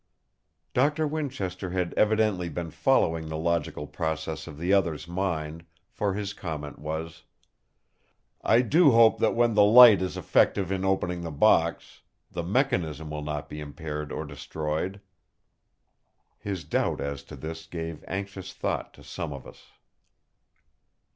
Doctor Winchester had evidently been following the logical process of the other's mind, for his comment was: "I do hope that when the light is effective in opening the box, the mechanism will not be impaired or destroyed." His doubt as to this gave anxious thought to some of us.